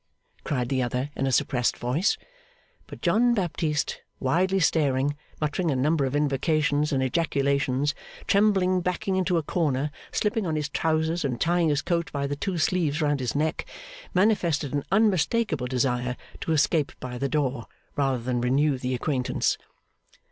cried the other, in a suppressed voice. But John Baptist, widely staring, muttering a number of invocations and ejaculations, tremblingly backing into a corner, slipping on his trousers, and tying his coat by the two sleeves round his neck, manifested an unmistakable desire to escape by the door rather than renew the acquaintance.